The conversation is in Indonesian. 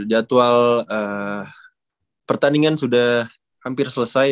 jadwal pertandingan sudah hampir selesai